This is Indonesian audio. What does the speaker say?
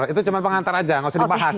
itu cuma pengantar aja nggak usah dibahas